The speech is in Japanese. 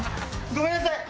ごめんなさい！